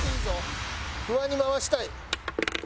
フワに回したい。